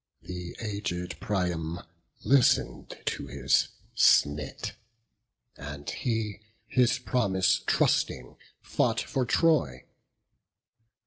The aged Priam listen'd to his snit; And he, his promise trusting, fought for Troy.